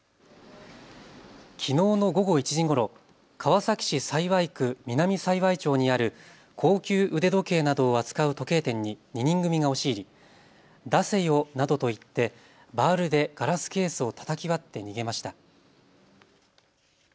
きのうの午後１時ごろ、川崎市幸区南幸町にある高級腕時計などを扱う時計店に２人組が押し入り、出せよなどと言ってバールでガラスケースをたたき割って逃げました。